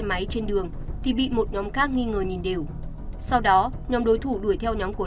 xe máy trên đường thì bị một nhóm khác nghi ngờ nhìn đều sau đó nhóm đối thủ đuổi theo nhóm của